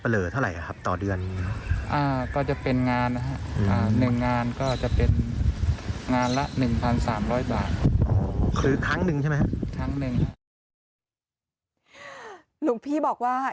หลวงพี่บอกว่า